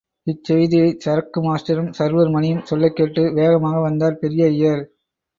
இச் செய்தியைச் சரக்கு மாஸ்டரும் சர்வர் மணியும் சொல்லக் கேட்டு, வேகமாக வந்தார் பெரிய ஐயர்.